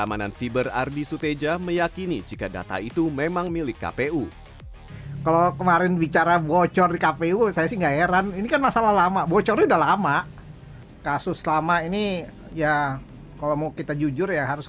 keamanan siber ardi suteja meyakini jika data itu memang milik kpu